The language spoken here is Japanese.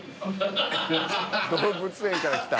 ［「動物園から来た？」］